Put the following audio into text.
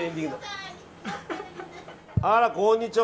あら、こんにちは。